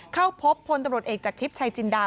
เข้าพบพลตำรวจเอกจากทริปชัยจินดา